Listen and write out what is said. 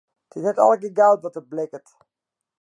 It is net allegearre goud wat der blikkert.